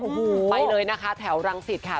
โอ้โหไปเลยนะคะแถวรังสิตค่ะ